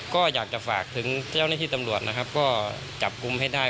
ก็อยากจะฝากถึงเจ้าหน้าที่ตำรวจนะครับก็จับกลุ่มให้ได้